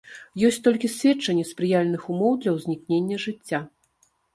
Ёсць толькі сведчанні спрыяльных умоў для ўзнікнення жыцця.